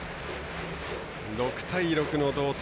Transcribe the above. ６対６の同点。